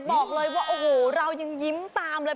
บอกเลยว่าโอ้โหเรายังยิ้มตามเลย